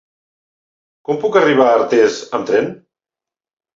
Com puc arribar a Artés amb tren?